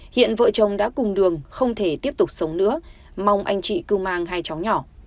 hiện vợ chồng đã cùng đường không thể tiếp tục sống nữa mong anh chị cưu mang hai cháu nhỏ